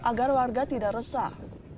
agar warga tidak resah